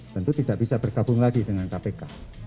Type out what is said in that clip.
tentu tidak bisa bergabung lagi dengan kpk